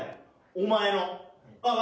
お前の。